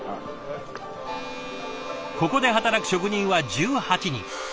ここで働く職人は１８人。